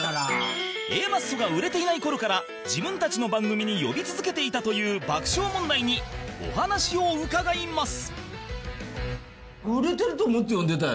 Ａ マッソが売れていない頃から自分たちの番組に呼び続けていたという爆笑問題にお話を伺います